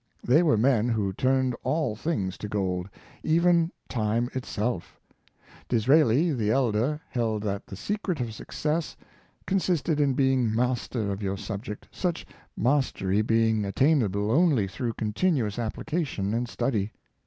They were men who turned all things to gold — even time itself Disraeli, the elder, held that the secret of success consisted in being master of your subject, such mastery being at tainable only through continuous application and study.